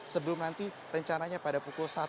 sebelum nanti rencananya pada pukul satu